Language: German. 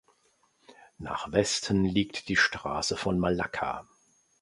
Nach Westen liegt die Straße von Malakka.